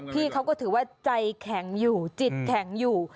พี่เขาก็ถือว่าใจแข็งอยู่จิตแข็งอยู่